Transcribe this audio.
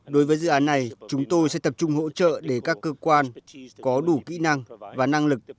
đối với dự án này chúng tôi sẽ tập trung hỗ trợ để các cơ quan có đủ kỹ năng và năng lực